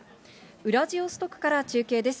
ウラジオストクから中継です。